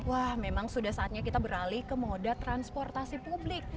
wah memang sudah saatnya kita beralih ke moda transportasi publik